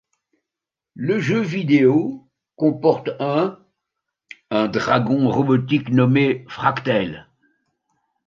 Le jeu vidéo ' comporte un ', un dragon robotique nommé Fracktail.